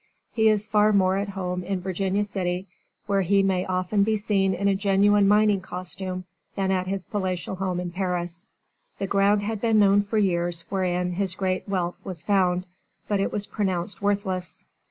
He is far more at home in Virginia City, where he may often be seen in a genuine mining costume, than at his palatial home in Paris. The ground had been known for years wherein his great wealth was found, but it was pronounced worthless.